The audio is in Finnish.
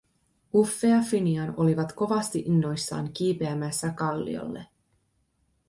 Uffe ja Finian olivat kovasti innoissaan kiipeämässä kalliolle.